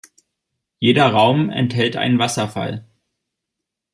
Jeder „Raum“ enthält einen Wasserfall.